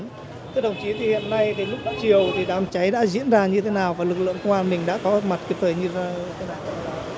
thưa đồng chí hiện nay lúc chiều đám cháy đã diễn ra như thế nào và lực lượng công an mình đã có mặt kịp thời như thế nào